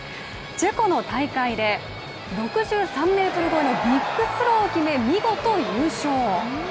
チェコの大会で６３ｍ超えのビッグスローを決め、見事優勝。